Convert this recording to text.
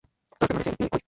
Todos permanece en pie hoy.